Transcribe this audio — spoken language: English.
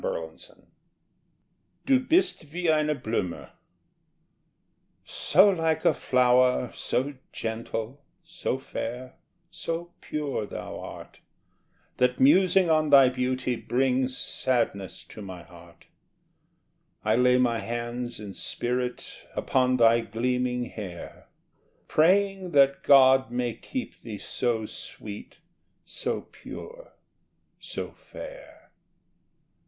Du bist wie eine Blume So like a flower, so gentle, So fair, so pure thou art, That musing on thy beauty Brings sadness to my heart. I lay my hands, in spirit, Upon thy gleaming hair, Praying that God may keep thee So sweet, so pure, so fair.